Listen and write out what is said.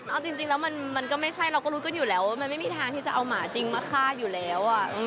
เอาจริงแล้วมันก็ไม่ใช่เราก็รู้กันอยู่แล้วว่ามันไม่มีทางที่จะเอาหมาจริงมาฆ่าอยู่แล้ว